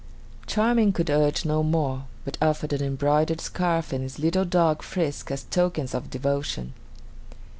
Charming could urge no more, but offered an embroidered scarf and his little dog Frisk as tokens of devotion.